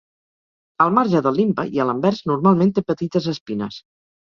Al marge del limbe i a l'anvers normalment té petites espines.